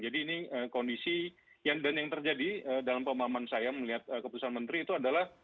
jadi kondisi yang terjadi dalam pemahaman saya melihat keputusan menteri itu adalah